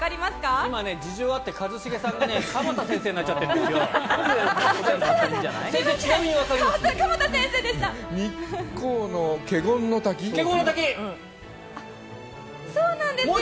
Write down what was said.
今、事情があって一茂さんが鎌田先生になっちゃってるんですよ。